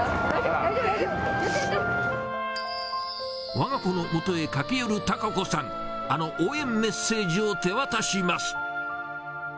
わが子のもとへ駆け寄る貴子さん、あの応援メッセージを手渡します。